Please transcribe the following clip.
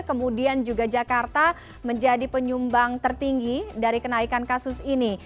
kemudian juga jakarta menjadi penyumbang tertinggi dari kenaikan kasus ini